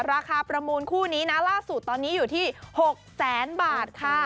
ประมูลคู่นี้นะล่าสุดตอนนี้อยู่ที่๖แสนบาทค่ะ